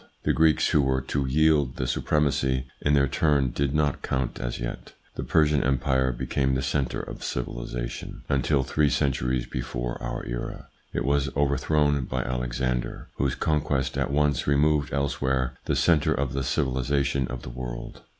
The Greeks, who were to wield the supremacy in their turn, did not count as yet. The Persian empire became the centre of civilisa io8 THE PSYCHOLOGY OF PEOPLES: tion until, three centuries before our era, it was over thrown by Alexander, whose conquest at once removed elsewhere the centre of the civilisation of the world.